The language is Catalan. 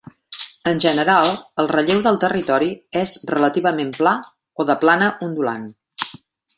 En general, el relleu del territori és relativament pla o de plana ondulant.